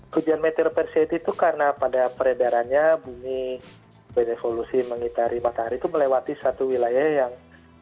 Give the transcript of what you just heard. hujan meteor perseit itu karena pada peredarannya bumi evolusi mengitari matahari itu melewati satu wilayah yang